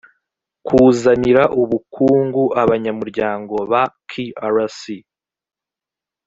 kuzanira ubukungu abanyamuryango ba krc